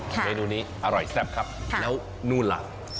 เมนูนี้อร่อยแซ่บครับแล้วนู่นล่ะ